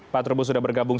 pak trubus sudah bergabung